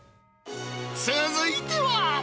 続いては。